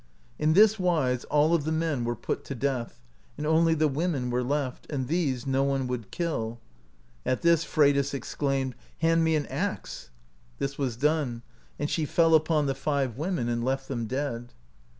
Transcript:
In this wise all of the men were put to death* and only the women were left, and these no one would kill. At this Freydis exclaimed: "Hand me an axe!*' This was done, and she fell upon the five women, and left them dead.